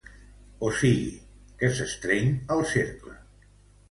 O sigui que s'estreny el cercle.